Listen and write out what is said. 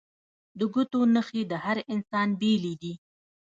د ګوتو نښې د هر انسان بیلې دي